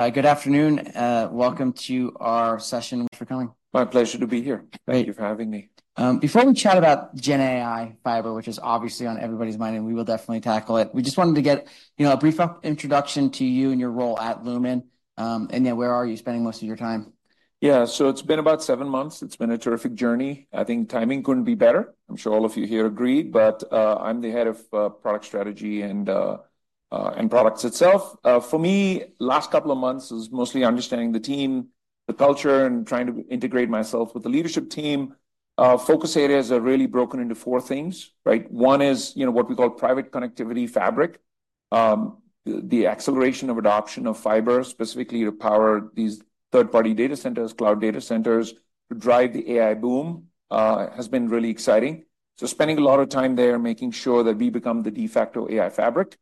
Hi, good afternoon. Welcome to our session. Thanks for coming. My pleasure to be here. Thank you. Thank you for having me. Before we chat about Gen AI fiber, which is obviously on everybody's mind, and we will definitely tackle it, we just wanted to get, you know, a brief introduction to you and your role at Lumen. Yeah, where are you spending most of your time? Yeah, so it's been about seven months. It's been a terrific journey. I think timing couldn't be better. I'm sure all of you here agree. But, I'm the head of, Product Strategy and, and products itself. For me, last couple of months is mostly understanding the team, the culture, and trying to integrate myself with the leadership team. Focus areas are really broken into four things, right? One is, you know, what we call Private Connectivity Fabric. The, the acceleration of adoption of fiber, specifically to power these third-party data centers, cloud data centers, to drive the AI boom, has been really exciting. So spending a lot of time there, making sure that we become the de facto AI fabric.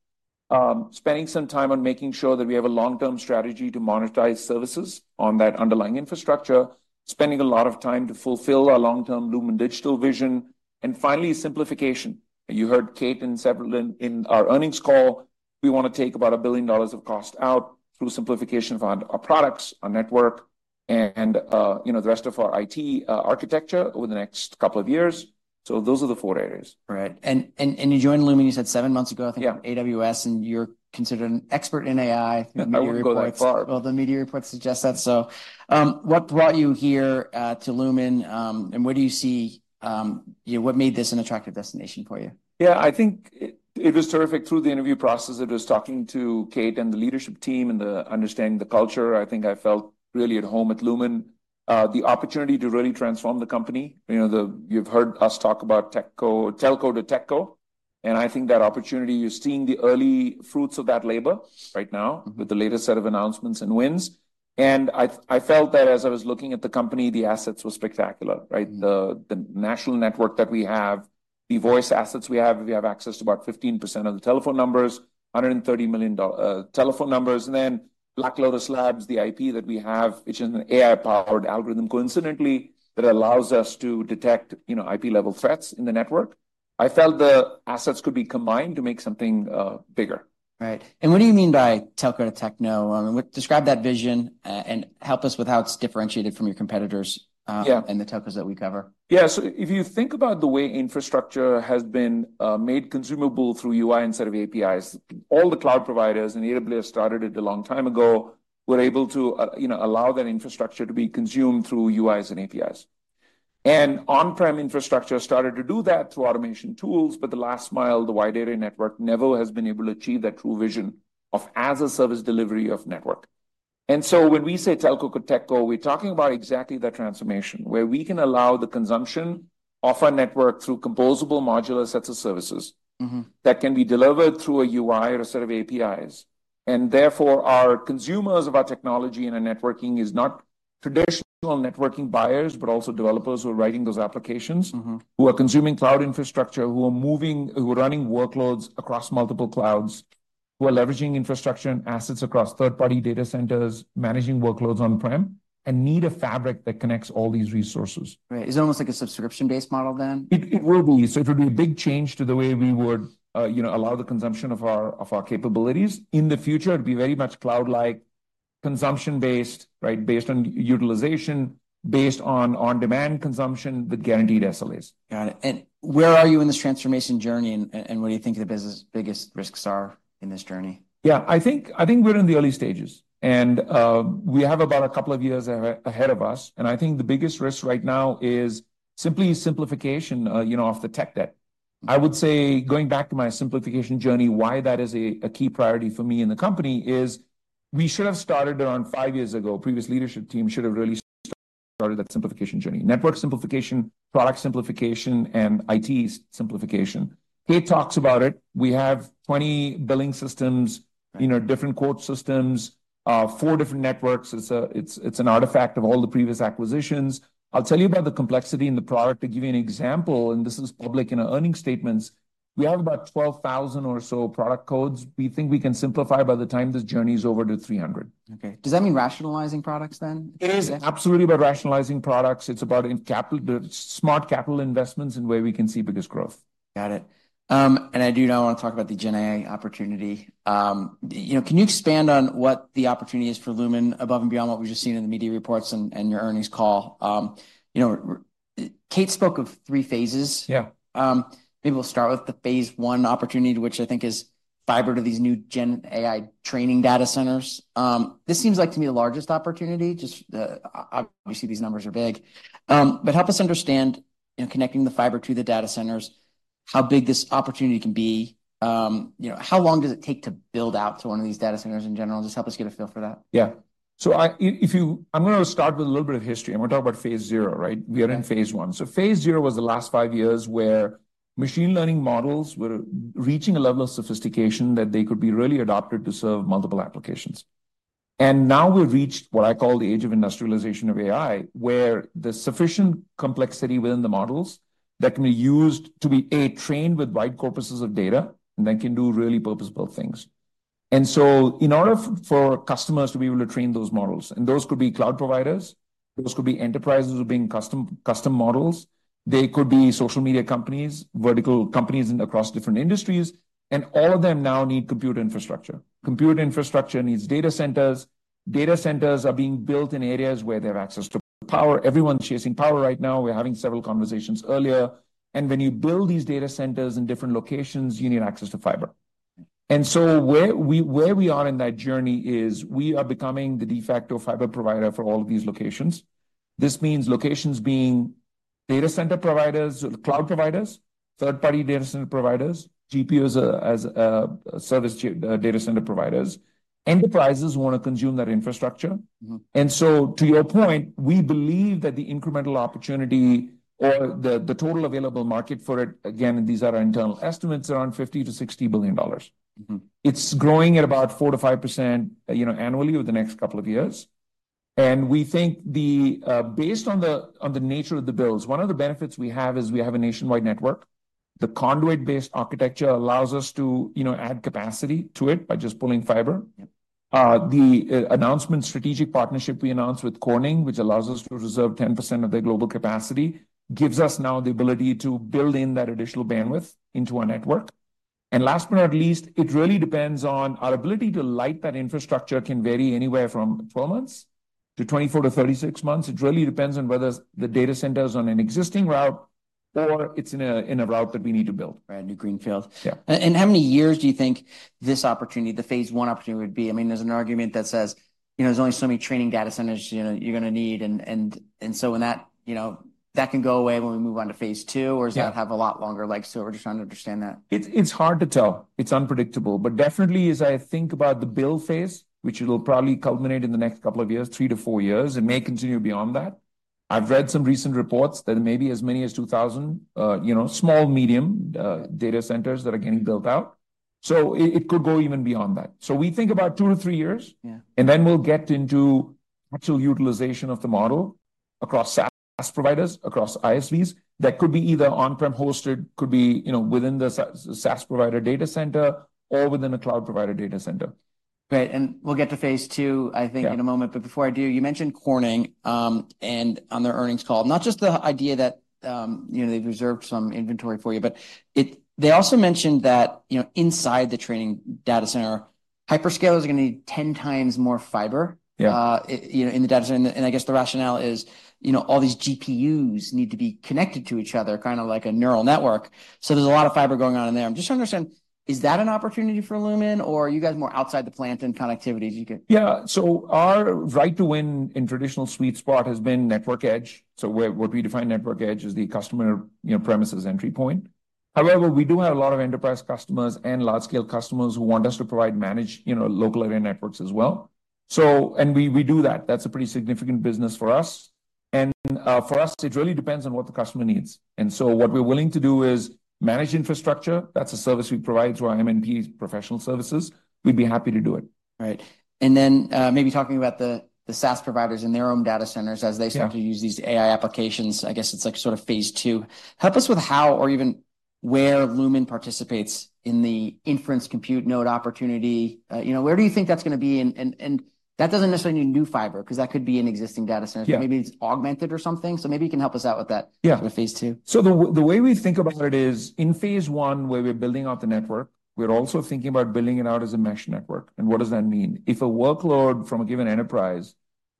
Spending some time on making sure that we have a long-term strategy to monetize services on that underlying infrastructure. Spending a lot of time to fulfill our long-term Lumen Digital vision. And finally, simplification. You heard Kate and several in our earnings call. We wanna take about $1 billion of cost out through simplification of our products, our network, and, you know, the rest of our IT architecture over the next couple of years. So those are the four areas. Right. And you joined Lumen, you said seven months ago- Yeah... I think, AWS, and you're considered an expert in AI, the media reports. I would go that far. Well, the media reports suggest that. So, what brought you here, to Lumen, and what do you see, you know, what made this an attractive destination for you? Yeah, I think it was terrific through the interview process. It was talking to Kate and the leadership team, and understanding the culture. I think I felt really at home at Lumen. The opportunity to really transform the company, you know, you've heard us talk about Telco to Techco, and I think that opportunity, you're seeing the early fruits of that labor right now- Mm-hmm... with the latest set of announcements and wins. And I, I felt that as I was looking at the company, the assets were spectacular, right? Mm-hmm. The national network that we have, the voice assets we have, we have access to about 15% of the telephone numbers, 130 million telephone numbers. And then Black Lotus Labs, the IP that we have, which is an AI-powered algorithm, coincidentally, that allows us to detect, you know, IP-level threats in the network. I felt the assets could be combined to make something bigger. Right. And what do you mean by Telco to Techco? Describe that vision, and help us with how it's differentiated from your competitors? Yeah ... and the telcos that we cover. Yeah. So if you think about the way infrastructure has been made consumable through UI instead of APIs, all the cloud providers, and AWS started it a long time ago, were able to, you know, allow that infrastructure to be consumed through UIs and APIs. And on-prem infrastructure started to do that through automation tools, but the last mile, the wide area network, never has been able to achieve that true vision of as a service delivery of network. And so when we say telco to techco, we're talking about exactly that transformation, where we can allow the consumption of our network through composable, modular sets of services- Mm-hmm... that can be delivered through a UI or a set of APIs. And therefore, our consumers of our technology and our networking is not traditional networking buyers, but also developers who are writing those applications- Mm-hmm... who are consuming cloud infrastructure, who are running workloads across multiple clouds, who are leveraging infrastructure and assets across third-party data centers, managing workloads on-prem, and need a fabric that connects all these resources. Right. Is it almost like a subscription-based model, then? It will be. So it would be a big change to the way we would, you know, allow the consumption of our, of our capabilities. In the future, it'd be very much cloud-like, consumption-based, right? Based on utilization, based on on-demand consumption with guaranteed SLAs. Got it. And where are you in this transformation journey, and what do you think the business' biggest risks are in this journey? Yeah, I think, I think we're in the early stages, and we have about a couple of years ahead of us, and I think the biggest risk right now is simply simplification, you know, of the tech debt. I would say, going back to my simplification journey, why that is a key priority for me and the company is we should have started around 5 years ago. Previous leadership team should have really started that simplification journey. Network simplification, product simplification, and IT simplification. Kate talks about it. We have 20 billing systems, you know, different quote systems, 4 different networks. It's an artifact of all the previous acquisitions. I'll tell you about the complexity in the product to give you an example, and this is public in our earnings statements. We have about 12,000 or so product codes we think we can simplify by the time this journey is over to 300. Okay. Does that mean rationalizing products then? It is absolutely about rationalizing products. It's about in capital, the smart capital investments and where we can see biggest growth. Got it. I do now want to talk about the Gen AI opportunity. You know, can you expand on what the opportunity is for Lumen above and beyond what we've just seen in the media reports and, and your earnings call? You know, Kate spoke of three phases. Yeah. Maybe we'll start with the phase I opportunity, which I think is fiber to these new Gen AI training data centers. This seems like to me the largest opportunity, just the, obviously, these numbers are big. But help us understand, you know, connecting the fiber to the data centers, how big this opportunity can be. You know, how long does it take to build out to one of these data centers in general? Just help us get a feel for that. Yeah. So if you... I'm gonna start with a little bit of history. I'm gonna talk about phase Zero, right? Yeah. We are in phase I. So phase Zero was the last five years, where machine learning models were reaching a level of sophistication that they could be really adopted to serve multiple applications. And now we've reached what I call the age of industrialization of AI, where there's sufficient complexity within the models that can be used to be a, trained with wide corpuses of data, and then can do really purpose-built things. And so in order for customers to be able to train those models, and those could be cloud providers, those could be enterprises who are being custom, custom models. They could be social media companies, vertical companies in, across different industries, and all of them now need compute infrastructure. Compute infrastructure needs data centers. Data centers are being built in areas where they have access to power. Everyone's chasing power right now. We're having several conversations earlier, and when you build these data centers in different locations, you need access to fiber. And so where we are in that journey is we are becoming the de facto fiber provider for all of these locations. This means locations being data center providers or the cloud providers, third-party data center providers, GPU-as-a-Service to data center providers. Enterprises want to consume that infrastructure. Mm-hmm. To your point, we believe that the incremental opportunity or the, the total available market for it, again, and these are our internal estimates, around $50 billion-$60 billion. Mm-hmm. It's growing at about 4%-5%, you know, annually over the next couple of years, and we think the... Based on the nature of the builds, one of the benefits we have is we have a nationwide network. The conduit-based architecture allows us to, you know, add capacity to it by just pulling fiber. Yeah. The announcement strategic partnership we announced with Corning, which allows us to reserve 10% of their global capacity, gives us now the ability to build in that additional bandwidth into our network. And last but not least, it really depends on our ability to light that infrastructure can vary anywhere from 12 months to 24 to 36 months. It really depends on whether the data center's on an existing route or it's in a route that we need to build. Right, a new greenfield. Yeah. And how many years do you think this opportunity, the phase I opportunity, would be? I mean, there's an argument that says, you know, there's only so many training data centers, you know, you're gonna need, and so when that, you know, that can go away when we move on to phase II- Yeah... or does that have a lot longer legs to it? We're just trying to understand that. It's hard to tell. It's unpredictable, but definitely as I think about the build phase, which it'll probably culminate in the next couple of years, 3-4 years, it may continue beyond that. I've read some recent reports that maybe as many as 2,000, you know, small, medium, data centers that are getting built out, so it could go even beyond that. So we think about 2-3 years. Yeah. And then we'll get into actual utilization of the model across SaaS providers, across ISVs. That could be either on-prem hosted, could be, you know, within the SaaS provider data center or within a cloud provider data center. Great, and we'll get to phase II, I think- Yeah... in a moment. But before I do, you mentioned Corning, and on their earnings call, not just the idea that, you know, they've reserved some inventory for you, but they also mentioned that, you know, inside the training data center, hyperscalers are gonna need 10x more fiber- Yeah... you know, in the data center, and I guess the rationale is, you know, all these GPUs need to be connected to each other, kind of like a neural network. So there's a lot of fiber going on in there. I'm just trying to understand, is that an opportunity for Lumen, or are you guys more outside the plant and connectivities you could? Yeah. So our right to win in traditional sweet spot has been network edge. So where we define network edge is the customer, you know, premises entry point. However, we do have a lot of enterprise customers and large-scale customers who want us to provide managed, you know, local area networks as well. So and we do that. That's a pretty significant business for us. And, for us, it really depends on what the customer needs. And so what we're willing to do is manage infrastructure. That's a service we provide through our M&P professional services. We'd be happy to do it. Right. And then, maybe talking about the SaaS providers in their own data centers as they- Yeah... start to use these AI applications, I guess it's like sort of phase II. Help us with how or even where Lumen participates in the inference compute node opportunity. You know, where do you think that's gonna be? And that doesn't necessarily need new fiber, 'cause that could be an existing data center. Yeah. Maybe it's augmented or something. So maybe you can help us out with that- Yeah... with phase II. So the way we think about it is, in phase I, where we're building out the network, we're also thinking about building it out as a mesh network. And what does that mean? If a workload from a given enterprise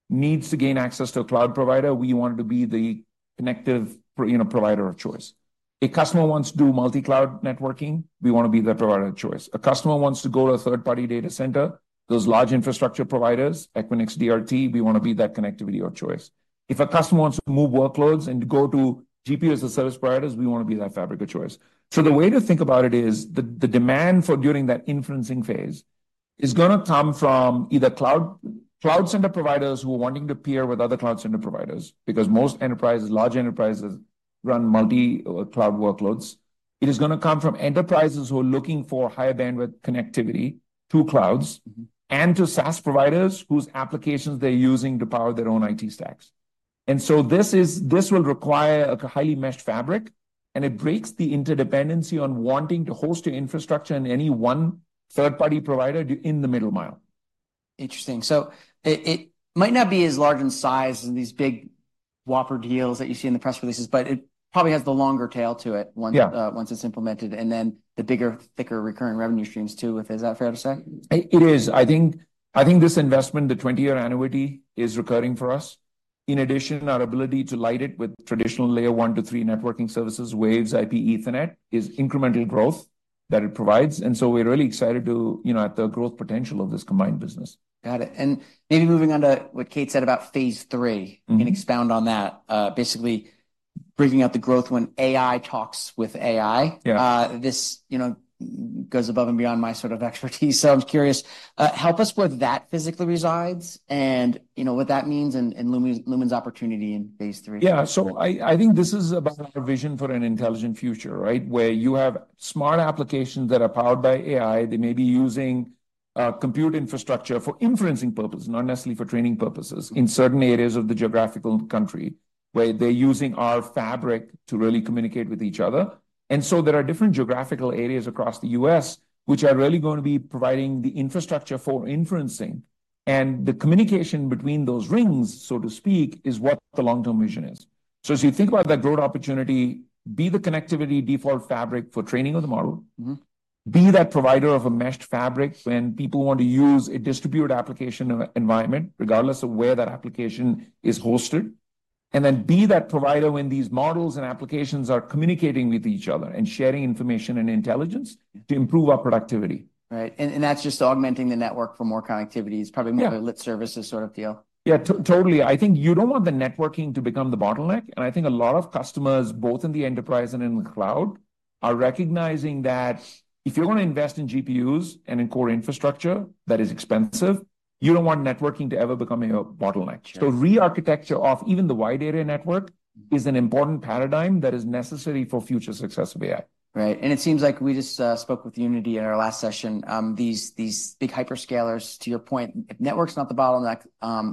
needs to gain access to a cloud provider, we want to be the connective, you know, provider of choice. A customer wants to do multi-cloud networking, we want to be the provider of choice. A customer wants to go to a third-party data center, those large infrastructure providers, Equinix, DRT, we want to be that connectivity of choice. If a customer wants to move workloads and go to GPU-as-a-Service providers, we want to be that fabric of choice. So the way to think about it is the demand for during that inferencing phase is gonna come from either cloud center providers who are wanting to peer with other cloud center providers, because most enterprises, large enterprises, run multi-cloud workloads. It is gonna come from enterprises who are looking for higher bandwidth connectivity to clouds- Mm-hmm ... and to SaaS providers whose applications they're using to power their own IT stacks. And so this will require a highly meshed fabric, and it breaks the interdependency on wanting to host your infrastructure in any one third-party provider in the middle mile. Interesting. So it might not be as large in size as these big whopper deals that you see in the press releases, but it probably has the longer tail to it once- Yeah... once it's implemented, and then the bigger, thicker recurring revenue streams too, with, is that fair to say? It is. I think this investment, the 20-year annuity, is recurring for us. In addition, our ability to light it with traditional layer one to three networking services, Waves, IP, Ethernet, is incremental growth that it provides, and so we're really excited to, you know, at the growth potential of this combined business. Got it, and maybe moving on to what Kate said about phase III- Mm-hmm... and expound on that. Basically, bringing out the growth when AI talks with AI. Yeah. This, you know, goes above and beyond my sort of expertise, so I'm curious. Help us where that physically resides and, you know, what that means and Lumen's opportunity in phase III. Yeah. So I, I think this is about our vision for an intelligent future, right? Where you have smart applications that are powered by AI. They may be using compute infrastructure for inferencing purposes, not necessarily for training purposes, in certain areas of the geographical country, where they're using our fabric to really communicate with each other. And so there are different geographical areas across the U.S. which are really going to be providing the infrastructure for inferencing... and the communication between those rings, so to speak, is what the long-term vision is. So as you think about that growth opportunity, be the connectivity default fabric for training of the model- Mm-hmm. be that provider of a meshed fabric when people want to use a distributed application of environment, regardless of where that application is hosted, and then be that provider when these models and applications are communicating with each other and sharing information and intelligence to improve our productivity. Right, and that's just augmenting the network for more connectivity. It's probably- Yeah -more of a lit services sort of deal. Yeah, totally. I think you don't want the networking to become the bottleneck, and I think a lot of customers, both in the enterprise and in the cloud, are recognizing that if you're gonna invest in GPUs and in core infrastructure, that is expensive. You don't want networking to ever becoming a bottleneck. Sure. Rearchitecture of even the wide area network is an important paradigm that is necessary for future success of AI. Right. And it seems like we just spoke with Uniti in our last session, these big hyperscalers, to your point, if network's not the bottleneck,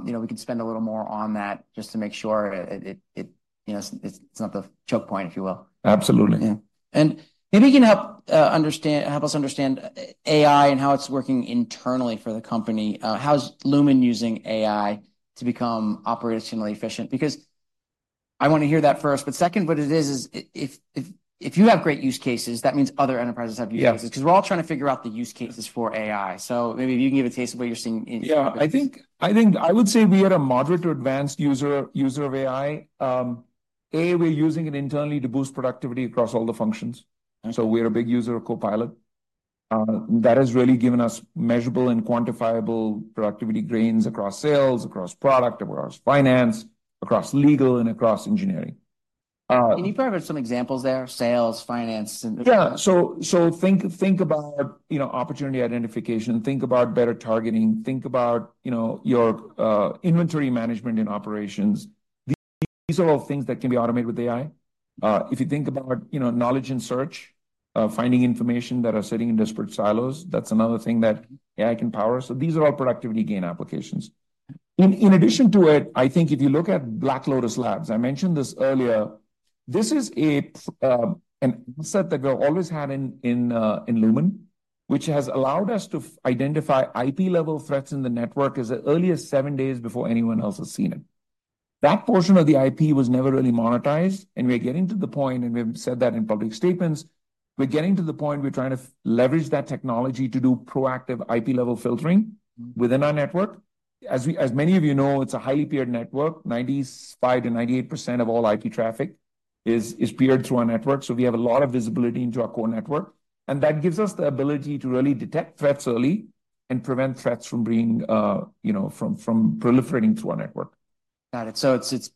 you know, we can spend a little more on that just to make sure it, you know, it's not the choke point, if you will. Absolutely. Yeah. And maybe you can help us understand AI and how it's working internally for the company. How's Lumen using AI to become operationally efficient? Because I wanna hear that first, but second, what it is is if you have great use cases, that means other enterprises have use cases. Yeah. 'Cause we're all trying to figure out the use cases for AI. So maybe if you can give a taste of what you're seeing in- Yeah, I think I would say we are a moderate to advanced user of AI. We're using it internally to boost productivity across all the functions. Mm. So we're a big user of Copilot. That has really given us measurable and quantifiable productivity gains across sales, across product, across finance, across legal, and across engineering. Can you provide some examples there? Sales, finance, and- Yeah, so think about, you know, opportunity identification, think about better targeting, think about, you know, your inventory management and operations. These are all things that can be automated with AI. If you think about, you know, knowledge and search, finding information that are sitting in disparate silos, that's another thing that AI can power. So these are all productivity gain applications. In addition to it, I think if you look at Black Lotus Labs, I mentioned this earlier, this is an asset that we've always had in Lumen, which has allowed us to identify IP-level threats in the network as early as seven days before anyone else has seen it. That portion of the IP was never really monetized, and we're getting to the point, and we've said that in public statements, we're getting to the point we're trying to leverage that technology to do proactive IP-level filtering. Mm... within our network. As many of you know, it's a highly peered network. 95%-98% of all IP traffic is peered through our network, so we have a lot of visibility into our core network, and that gives us the ability to really detect threats early and prevent threats from being, you know, from proliferating through our network. Got it. So it's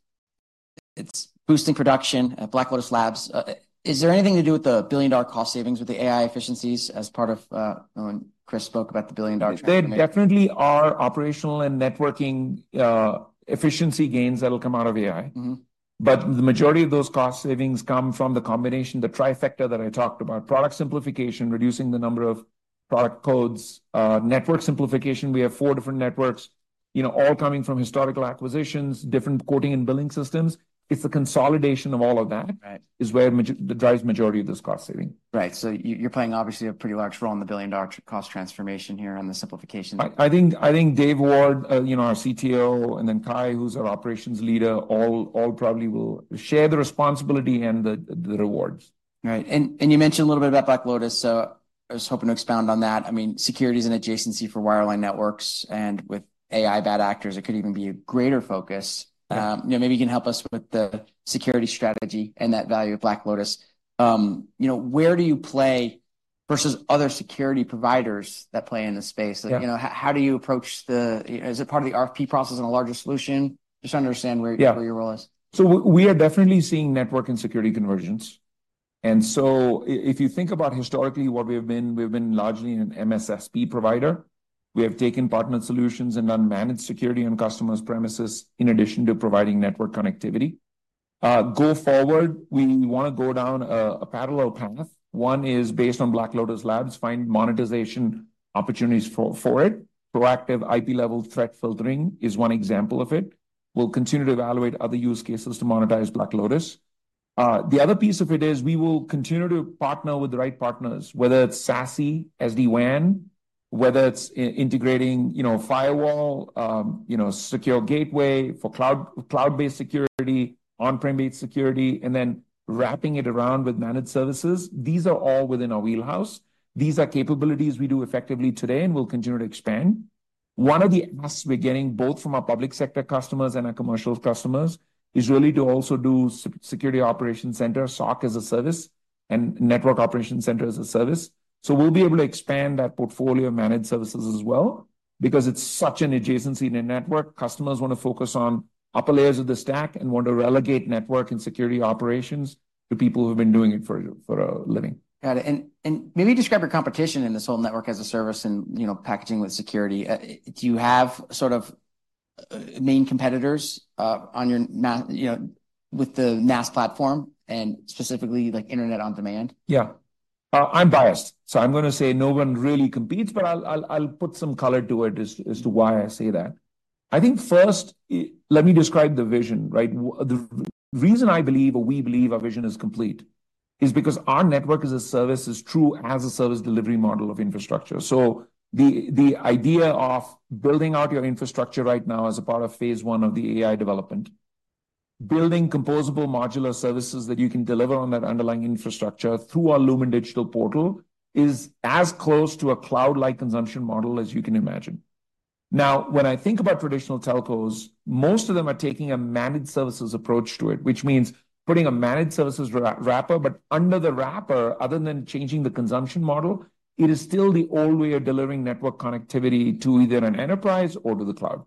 boosting production at Black Lotus Labs. Is there anything to do with the billion-dollar cost savings with the AI efficiencies as part of when Chris spoke about the billion-dollar transformation? There definitely are operational and networking, efficiency gains that'll come out of AI. Mm-hmm. But the majority of those cost savings come from the combination, the trifecta that I talked about: product simplification, reducing the number of product codes, network simplification, we have four different networks, you know, all coming from historical acquisitions, different quoting and billing systems. It's the consolidation of all of that. Right is where majority drives majority of this cost saving. Right. So you, you're playing, obviously, a pretty large role in the billion-dollar cost transformation here on the simplification. I think Dave Ward, you know, our CTO, and then Kye, who's our operations leader, all probably will share the responsibility and the rewards. Right. And you mentioned a little bit about Black Lotus, so I was hoping to expound on that. I mean, security is an adjacency for wireline networks, and with AI bad actors, it could even be a greater focus. Yeah. You know, maybe you can help us with the security strategy and that value of Black Lotus. You know, where do you play versus other security providers that play in this space? Yeah. You know, how do you approach the... Is it part of the RFP process and a larger solution? Just understand where- Yeah... where your role is. So we are definitely seeing network and security convergence. If you think about historically, what we have been, we've been largely an MSSP provider. We have taken partner solutions and done managed security on customers' premises, in addition to providing network connectivity. Going forward, we wanna go down a parallel path. One is based on Black Lotus Labs, find monetization opportunities for it. Proactive IP-level threat filtering is one example of it. We'll continue to evaluate other use cases to monetize Black Lotus. The other piece of it is we will continue to partner with the right partners, whether it's SASE, SD-WAN, whether it's integrating, you know, firewall, you know, secure gateway for cloud, cloud-based security, on-premise security, and then wrapping it around with managed services. These are all within our wheelhouse. These are capabilities we do effectively today and will continue to expand. One of the asks we're getting both from our public sector customers and our commercial customers, is really to also do security operations center, SOC as a service, and network operations center as a service. So we'll be able to expand that portfolio of managed services as well, because it's such an adjacency in a network. Customers wanna focus on upper layers of the stack and want to relegate network and security operations to people who've been doing it for a living. Got it. And maybe describe your competition in this whole network as a service and, you know, packaging with security. Do you have sort of main competitors on your NaaS platform, you know, and specifically, like, Internet On-Demand? Yeah. I'm biased, so I'm gonna say no one really competes, but I'll, I'll, I'll put some color to it as to why I say that.... I think first, let me describe the vision, right? The reason I believe or we believe our vision is complete is because our network as a service is true as a service delivery model of infrastructure. So the idea of building out your infrastructure right now as a part of phase I of the AI development, building composable modular services that you can deliver on that underlying infrastructure through our Lumen Digital portal, is as close to a cloud-like consumption model as you can imagine. Now, when I think about traditional telcos, most of them are taking a managed services approach to it, which means putting a managed services wrapper. But under the wrapper, other than changing the consumption model, it is still the old way of delivering network connectivity to either an enterprise or to the cloud.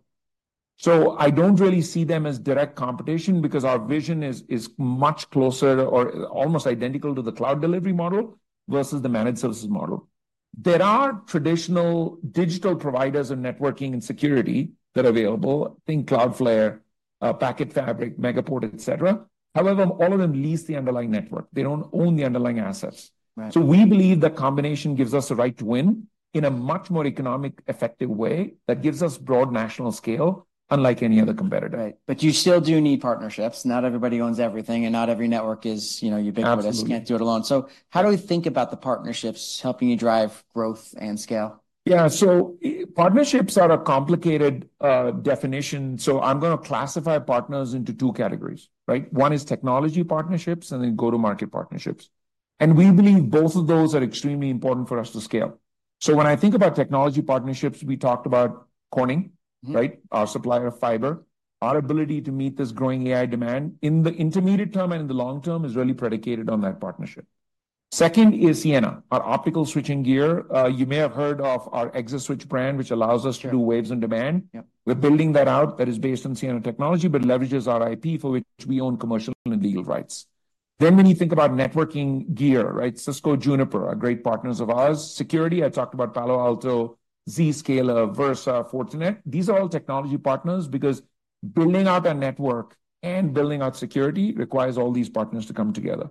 So I don't really see them as direct competition because our vision is, is much closer or almost identical to the cloud delivery model versus the managed services model. There are traditional digital providers in networking and security that are available. Think Cloudflare, PacketFabric, Megaport, et cetera. However, all of them lease the underlying network. They don't own the underlying assets. Right. We believe the combination gives us the right to win in a much more economic, effective way that gives us broad national scale, unlike any other competitor. Right. But you still do need partnerships. Not everybody owns everything, and not every network is, you know, ubiquitous. Absolutely. You can't do it alone. How do we think about the partnerships helping you drive growth and scale? Yeah, so, partnerships are a complicated definition, so I'm gonna classify partners into two categories, right? One is technology partnerships and then go-to-market partnerships, and we believe both of those are extremely important for us to scale. So when I think about technology partnerships, we talked about Corning- Mm. -right? Our supplier of fiber. Our ability to meet this growing AI demand in the intermediate term and in the long term is really predicated on that partnership. Second is Ciena, our optical switching gear. You may have heard of our ExaSwitch brand, which allows us- Sure... to do Waves on demand. Yep. We're building that out. That is based on Ciena technology but leverages our IP, for which we own commercial and legal rights. Then, when you think about networking gear, right? Cisco, Juniper, are great partners of ours. Security, I talked about Palo Alto, Zscaler, Versa, Fortinet. These are all technology partners because building out a network and building out security requires all these partners to come together.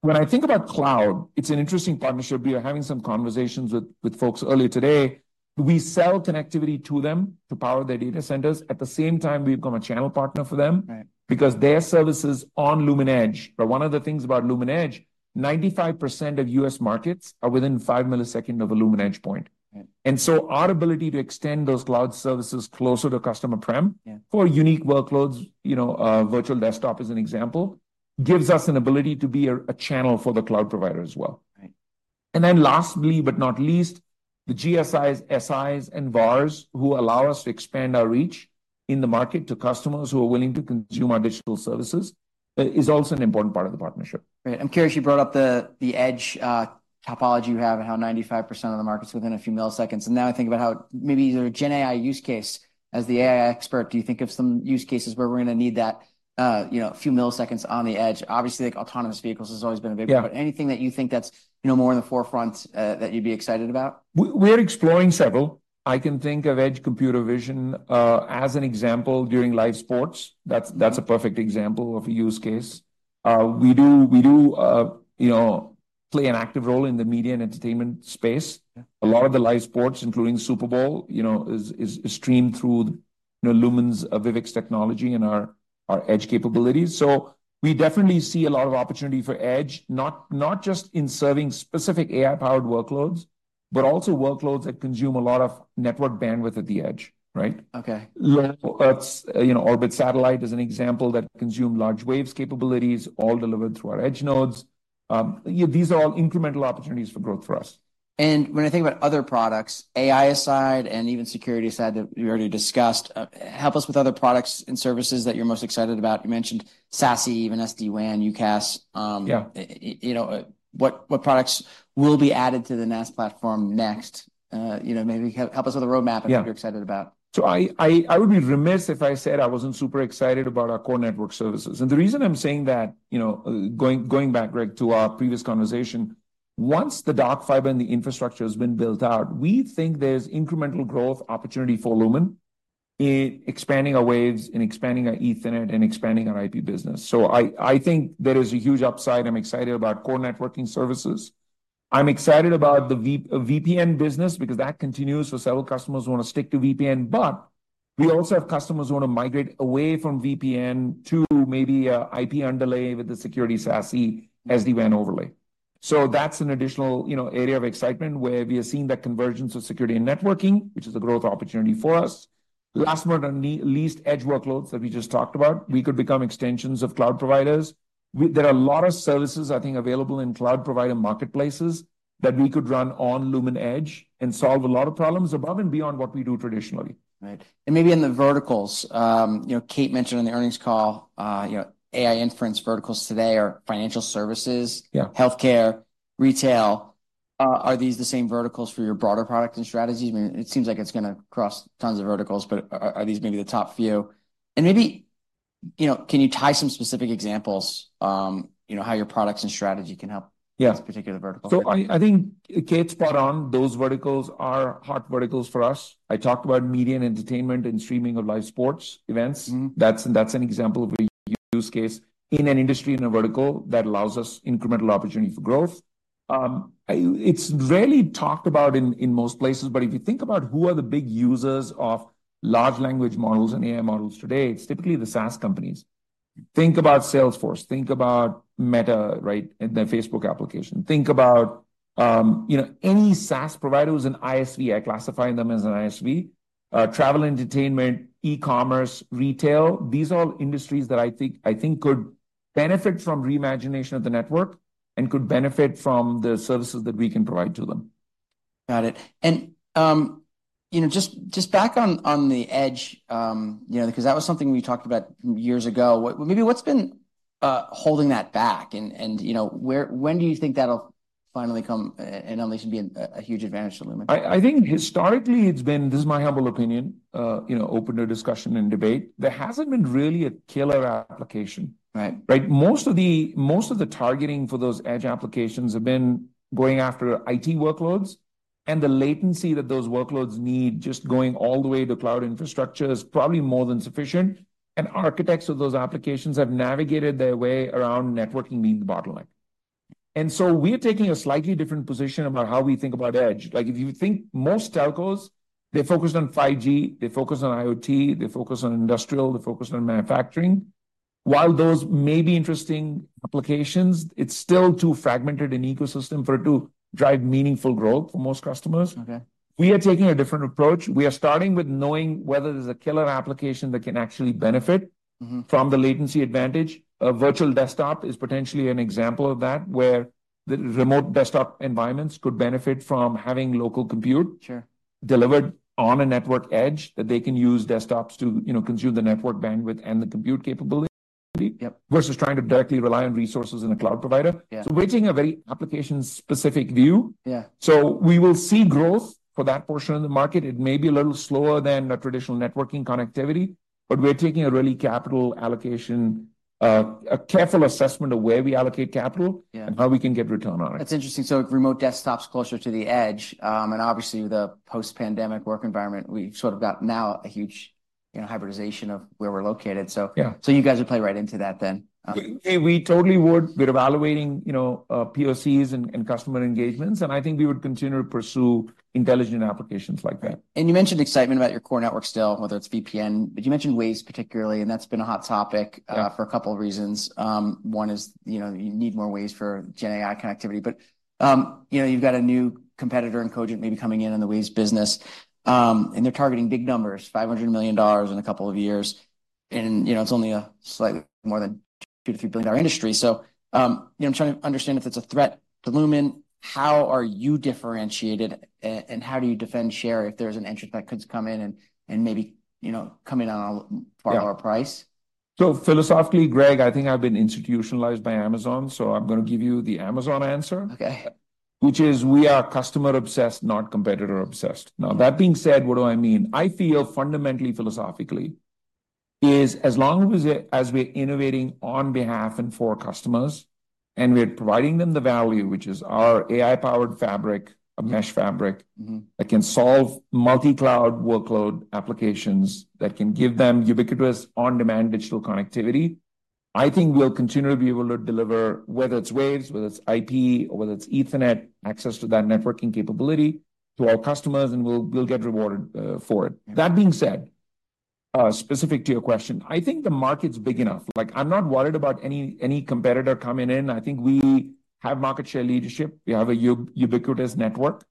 When I think about cloud, it's an interesting partnership. We were having some conversations with, with folks earlier today. We sell connectivity to them to power their data centers. At the same time, we've become a channel partner for them- Right... because their services on Lumen Edge. But one of the things about Lumen Edge, 95% of U.S. markets are within 5 milliseconds of a Lumen Edge point. Right. And so our ability to extend those cloud services closer to customer prem- Yeah... for unique workloads, you know, virtual desktop as an example, gives us an ability to be a channel for the cloud provider as well. Right. And then lastly, but not least, the GSIs, SIs, and VARs, who allow us to expand our reach in the market to customers who are willing to consume our digital services, is also an important part of the partnership. Right. I'm curious, you brought up the, the Edge topology you have and how 95% of the market's within a few milliseconds, and now I think about how maybe either a GenAI use case. As the AI expert, do you think of some use cases where we're gonna need that, you know, few milliseconds on the edge? Obviously, like, autonomous vehicles has always been a big one. Yeah. Anything that you think that's, you know, more in the forefront that you'd be excited about? We're exploring several. I can think of edge computer vision as an example during live sports. Mm. That's, that's a perfect example of a use case. We do, we do, you know, play an active role in the media and entertainment space. Yeah. A lot of the live sports, including Super Bowl, you know, is streamed through, you know, Lumen's Vyvx technology and our Edge capabilities. So we definitely see a lot of opportunity for Edge, not just in serving specific AI-powered workloads, but also workloads that consume a lot of network bandwidth at the edge, right? Okay. Low Earth orbit satellite is an example that consume large Waves capabilities, all delivered through our Edge nodes. Yeah, these are all incremental opportunities for growth for us. When I think about other products, AI aside and even security aside that we already discussed, help us with other products and services that you're most excited about. You mentioned SASE, even SD-WAN, UCaaS. Yeah. You know, what products will be added to the NaaS platform next? You know, maybe help us with the roadmap- Yeah... and what you're excited about. So I would be remiss if I said I wasn't super excited about our core network services. The reason I'm saying that, you know, going back, Rick, to our previous conversation, once the dark fiber and the infrastructure has been built out, we think there's incremental growth opportunity for Lumen in expanding our waves, in expanding our Ethernet, and expanding our IP business. So I think there is a huge upside. I'm excited about core networking services. I'm excited about the VPN business because that continues for several customers who wanna stick to VPN, but we also have customers who want to migrate away from VPN to maybe a IP underlay with the security SASE SD-WAN overlay. So that's an additional, you know, area of excitement where we are seeing that convergence of security and networking, which is a growth opportunity for us. Last but not least, edge workloads that we just talked about. We could become extensions of cloud providers. There are a lot of services, I think, available in cloud provider marketplaces that we could run on Lumen Edge and solve a lot of problems above and beyond what we do traditionally. Right. And maybe in the verticals, you know, Kate mentioned on the earnings call, you know, AI inference verticals today are financial services- Yeah... healthcare, retail. Are these the same verticals for your broader product and strategies? I mean, it seems like it's gonna cross tons of verticals, but are these maybe the top few? And maybe, you know, can you tie some specific examples, you know, how your products and strategy can help- Yeah... this particular vertical? So I think Kate's spot on. Those verticals are hot verticals for us. I talked about media and entertainment and streaming of live sports events. Mm-hmm. That's an example of a use case in an industry, in a vertical, that allows us incremental opportunity for growth. It's rarely talked about in most places, but if you think about who are the big users of large language models and AI models today, it's typically the SaaS companies. Think about Salesforce, think about Meta, right, and their Facebook application. Think about, you know, any SaaS provider who's an ISV, I classify them as an ISV. Travel, entertainment, e-commerce, retail, these are all industries that I think could benefit from reimagination of the network and could benefit from the services that we can provide to them. Got it. And, you know, just back on the edge, you know, 'cause that was something we talked about years ago. What maybe what's been holding that back, and, you know, when do you think that'll finally come, and at least be a huge advantage to Lumen? I think historically it's been, this is my humble opinion, you know, open to discussion and debate. There hasn't been really a killer application. Right. Right? Most of the, most of the targeting for those edge applications have been going after IT workloads, and the latency that those workloads need just going all the way to cloud infrastructure is probably more than sufficient. And architects of those applications have navigated their way around networking being the bottleneck. And so we're taking a slightly different position about how we think about edge. Like, if you think most telcos, they're focused on 5G, they're focused on IoT, they're focused on industrial, they're focused on manufacturing. While those may be interesting applications, it's still too fragmented an ecosystem for it to drive meaningful growth for most customers. Okay. We are taking a different approach. We are starting with knowing whether there's a killer application that can actually benefit- Mm-hmm... from the latency advantage. A virtual desktop is potentially an example of that, where the remote desktop environments could benefit from having local compute- Sure... delivered on a network edge, that they can use desktops to, you know, consume the network bandwidth and the compute capability. Yep. Versus trying to directly rely on resources in a cloud provider. Yeah. We're taking a very application-specific view. Yeah. So we will see growth for that portion of the market. It may be a little slower than a traditional networking connectivity, but we're taking a really capital allocation, a careful assessment of where we allocate capital- Yeah... and how we can get return on it. That's interesting. So remote desktops closer to the edge, and obviously with the post-pandemic work environment, we've sort of got now a huge, you know, hybridization of where we're located, so- Yeah... so you guys would play right into that then. We totally would. We're evaluating, you know, POCs and customer engagements, and I think we would continue to pursue intelligent applications like that. You mentioned excitement about your core network still, whether it's VPN, but you mentioned Waves particularly, and that's been a hot topic- Yeah... for a couple of reasons. One is, you know, you need more Waves for GenAI connectivity. But, you know, you've got a new competitor in Cogent maybe coming in on the Waves business, and they're targeting big numbers, $500 million in a couple of years. And, you know, it's only a slightly more than $2-$3 billion industry. So, you know, I'm trying to understand if it's a threat to Lumen, how are you differentiated, and how do you defend share if there's an entrant that could come in and maybe, you know, come in on a far lower price? Yeah. So philosophically, Greg, I think I've been institutionalized by Amazon, so I'm gonna give you the Amazon answer. Okay. Which is, we are customer-obsessed, not competitor-obsessed. Mm. Now, that being said, what do I mean? I feel fundamentally, philosophically, is as long as we're, as we're innovating on behalf and for customers, and we're providing them the value, which is our AI-powered fabric, a mesh fabric- Mm-hmm... that can solve multi-cloud workload applications, that can give them ubiquitous, on-demand digital connectivity, I think we'll continue to be able to deliver, whether it's Waves, whether it's IP, or whether it's Ethernet, access to that networking capability to our customers, and we'll, we'll get rewarded for it. Yeah. That being said, specific to your question, I think the market's big enough. Like, I'm not worried about any, any competitor coming in. I think we have market share leadership. We have a ubiquitous network.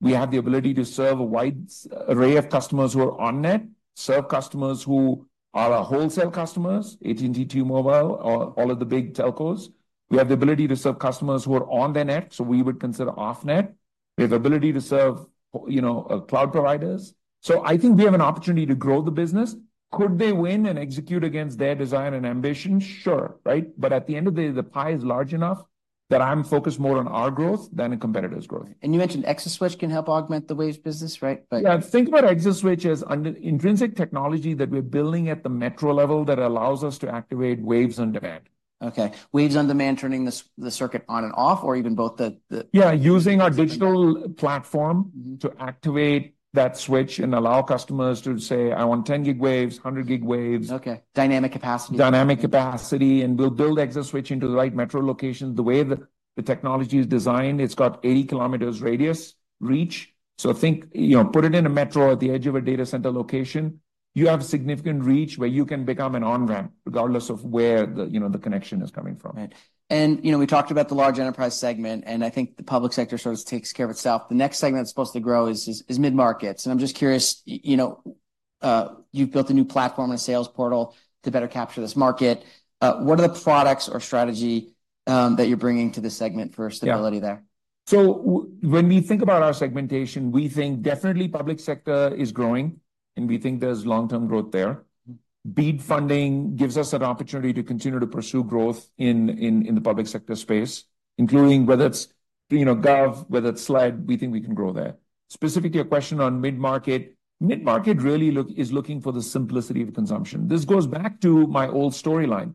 We have the ability to serve a wide array of customers who are on net, serve customers who are our wholesale customers, AT&T, T-Mobile, all of the big telcos. We have the ability to serve customers who are on their net, so we would consider off net. We have the ability to serve, you know, cloud providers. So I think we have an opportunity to grow the business. Could they win and execute against their desire and ambition? Sure, right? But at the end of the day, the pie is large enough that I'm focused more on our growth than a competitor's growth. You mentioned ExaSwitch can help augment the Waves business, right? But- Yeah, think about ExaSwitch as an intrinsic technology that we're building at the metro level that allows us to activate Waves on demand. Okay. Waves on demand, turning the circuit on and off, or even both the, the- Yeah, using our digital-... platform... platform to activate that switch and allow customers to say, "I want 10G Waves, 100G Waves. Okay. Dynamic capacity. Dynamic capacity, and we'll build ExaSwitch into the right metro location. The way the technology is designed, it's got 80 kms radius reach. So think, you know, put it in a metro at the edge of a data center location, you have significant reach where you can become an on-ramp, regardless of where the, you know, the connection is coming from. Right. And, you know, we talked about the large enterprise segment, and I think the public sector sort of takes care of itself. The next segment that's supposed to grow is mid-markets. And I'm just curious, you know, you've built a new platform and sales portal to better capture this market. What are the products or strategy that you're bringing to this segment for stability there? Yeah. So when we think about our segmentation, we think definitely public sector is growing, and we think there's long-term growth there. BEAD funding gives us an opportunity to continue to pursue growth in the public sector space, including whether it's, you know, Gov, whether it's SLED, we think we can grow there. Specific to your question on mid-market, mid-market really is looking for the simplicity of consumption. This goes back to my old storyline.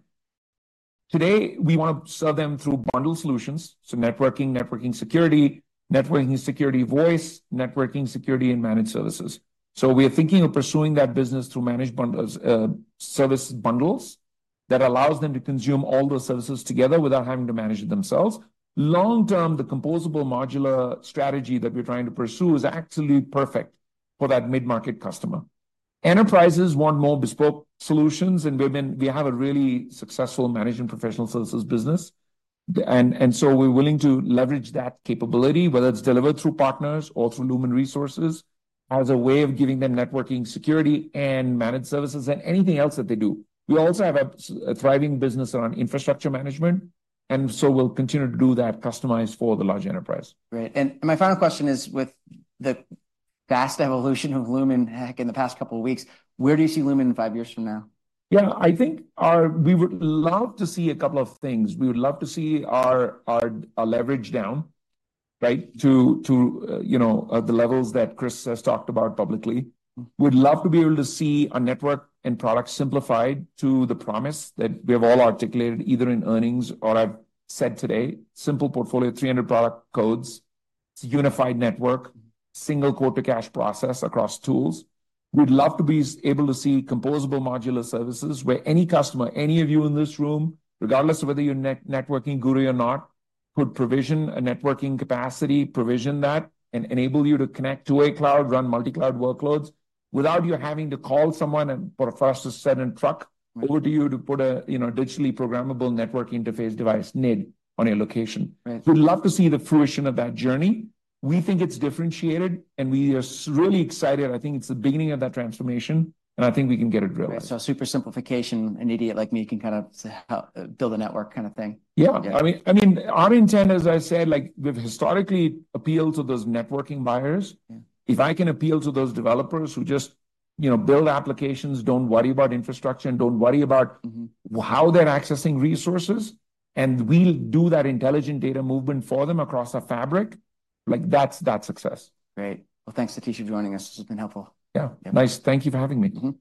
Today, we want to sell them through bundled solutions, so networking, networking security, networking security voice, networking security, and managed services. So we are thinking of pursuing that business through managed bundles, service bundles that allows them to consume all those services together without having to manage it themselves. Long term, the composable modular strategy that we're trying to pursue is actually perfect for that mid-market customer. Enterprises want more bespoke solutions, and we have a really successful managed and professional services business. And so we're willing to leverage that capability, whether it's delivered through partners or through Lumen resources, as a way of giving them networking, security, and managed services, and anything else that they do. We also have a thriving business around infrastructure management, and so we'll continue to do that, customized for the large enterprise. Great, and my final question is, with the fast evolution of Lumen, heck, in the past couple of weeks, where do you see Lumen five years from now? Yeah, I think we would love to see a couple of things. We would love to see our leverage down, right, to you know, the levels that Chris has talked about publicly. Mm. We'd love to be able to see our network and products simplified to the promise that we have all articulated, either in earnings or I've said today: simple portfolio, 300 product codes, unified network, single quote-to-cash process across tools. We'd love to be able to see composable modular services, where any customer, any of you in this room, regardless of whether you're a networking guru or not, could provision a networking capacity, provision that, and enable you to connect to a cloud, run multi-cloud workloads, without you having to call someone and for us to send a truck- Right... over to you to put a, you know, digitally programmable networking interface device, NID, on your location. Right. We'd love to see the fruition of that journey. We think it's differentiated, and we are really excited. I think it's the beginning of that transformation, and I think we can get it right. Super simplification, an idiot like me can kind of say, build a network kind of thing. Yeah. Yeah. I mean, I mean, our intent, as I said, like we've historically appealed to those networking buyers. Yeah. If I can appeal to those developers who just, you know, build applications, don't worry about infrastructure, and don't worry about- Mm-hmm... how they're accessing resources, and we'll do that intelligent data movement for them across our fabric, like, that's that success. Great. Well, thanks, Satish, for joining us. This has been helpful. Yeah. Yeah. Nice. Thank you for having me.